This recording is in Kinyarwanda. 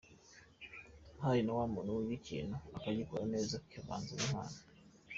Hari na wa muntu wiga ikintu akagikora neza hivanzemo n’impano.